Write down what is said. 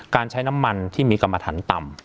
ใช้น้ำมันที่มีกรรมฐานต่ำ